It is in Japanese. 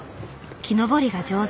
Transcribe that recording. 木登りが上手。